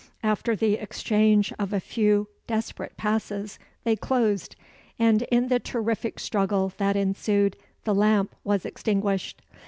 After the exchange of a few desperate passes, they closed; and in the terrific struggle that ensued the lamp was extinguished.